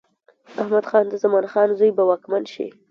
احمد خان د زمان خان زوی به واکمن شي.